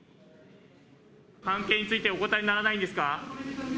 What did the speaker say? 関係についてお答えにならないんですか？